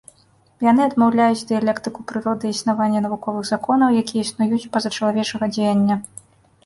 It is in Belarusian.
Яны адмаўляюць дыялектыку прыроды і існаванне навуковых законаў, якія існуюць па-за чалавечага дзеяння.